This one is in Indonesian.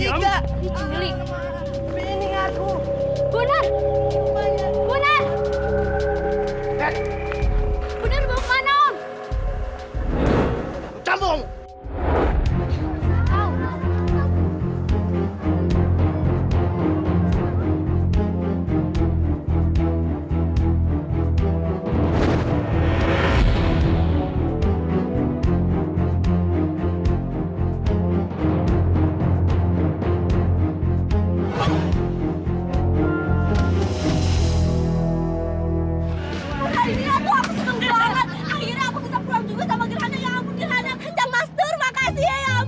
ilhu an panjutan tarian